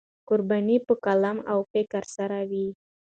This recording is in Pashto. قرباني په قلم او فکر سره وي.